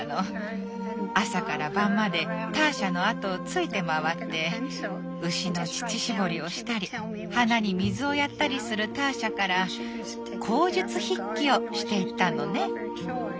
朝から晩までターシャの後をついて回って牛の乳搾りをしたり花に水をやったりするターシャから口述筆記をしていったのね。